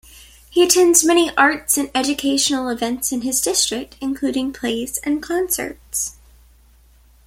He attends many arts and educational events in his district, including plays and concerts.